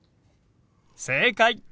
正解！